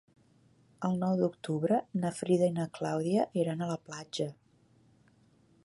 El nou d'octubre na Frida i na Clàudia iran a la platja.